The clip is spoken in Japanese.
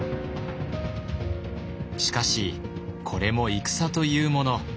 しかしこれも戦というもの。